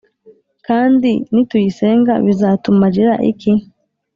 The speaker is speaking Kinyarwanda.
kandi nituyisenga bizatumarira iki’’